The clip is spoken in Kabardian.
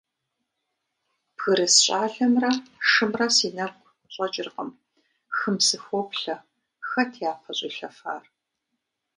Бгырыс щӀалэмрэ шымрэ си нэгу щӀэкӀыркъым, хым сыхоплъэ: хэт япэ щӀилъэфар?